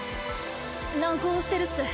難航してるっす。